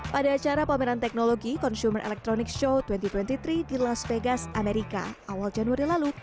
pada acara pameran teknologi consumer electronic show dua ribu dua puluh tiga di las vegas amerika awal januari lalu